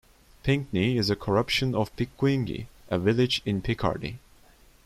"Pinkney" is a corruption of "Picquigny", a village in Picardy.